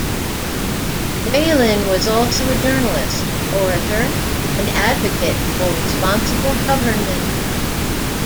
Whelan was also a journalist, orator and advocate for responsible government.